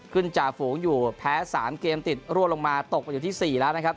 ขึ้นจ่าฝูงอยู่แพ้สามเกมติดรวมลงมาตกอยู่ที่สี่แล้วนะครับ